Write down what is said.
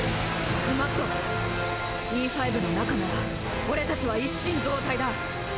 スマットＥ５の中なら俺たちは一心同体だ。